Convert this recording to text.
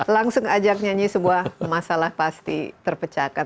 langsung ajak nyanyi sebuah masalah pasti terpecahkan